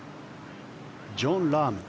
ジョン・ラーム。